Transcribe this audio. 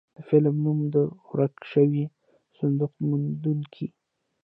د فلم نوم و د ورک شوي صندوق موندونکي.